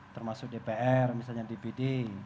termasuk dpr misalnya dpd